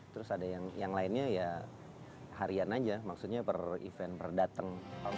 terus ada yang lainnya ya harian aja maksudnya per event per dateng